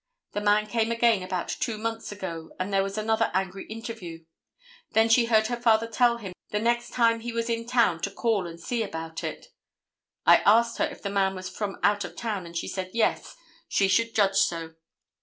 The man came again about two months ago, and there was another angry interview. Then she heard her father tell him the next time he was in town to call and see about it. I asked her if the man was from out of town, and she said yes, she should judge so.